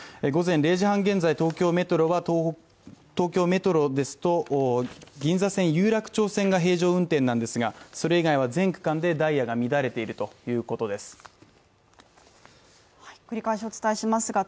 午前０時半現在東京メトロですと銀座線有楽町線が平常運転なんですが、それ以外は全区間でダイヤが乱れているということです。